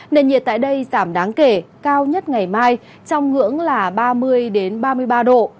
nền nhiệt tại đây giảm đáng kể cao nhất ngày mai trong ngưỡng là ba mươi ba mươi ba độ